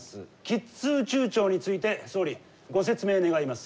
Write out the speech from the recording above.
キッズ宇宙庁について総理ご説明願います。